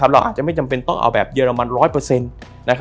เราอาจจะไม่จำเป็นต้องเอาแบบเยอรมัน๑๐๐